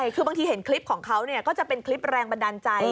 คือบางทีเห็นคลิปของเขาก็จะเป็นคลิปแรงบันดาลใจ